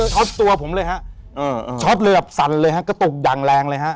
ช็อตตัวผมเลยฮะช็อตเหลือแบบสั่นเลยฮะกระตุกอย่างแรงเลยฮะ